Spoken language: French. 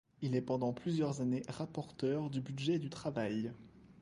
Il est pendant plusieurs années rapporteur du Budget du Travail.